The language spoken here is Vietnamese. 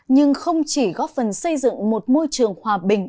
nhưng không chỉ góp phần xây dựng một môi trường hòa bình